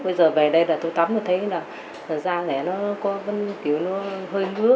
bây giờ về đây là tôi tắm thì thấy là da này nó vẫn kiểu nó hơi mứa